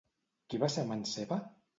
Qui va ser amant seva?